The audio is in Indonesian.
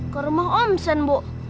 ke rumah om sen bu